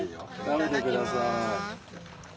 食べてください。